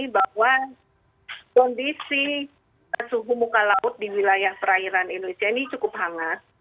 bahwa kondisi suhu muka laut di wilayah perairan indonesia ini cukup hangat